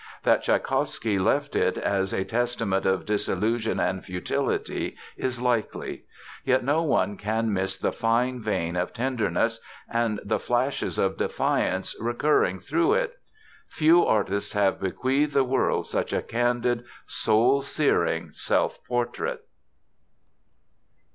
That Tschaikowsky left it as a testament of disillusion and futility is likely. Yet no one can miss the fine vein of tenderness and the flashes of defiance recurring through it. Few artists have bequeathed the world such a candid, soul searing self portrait.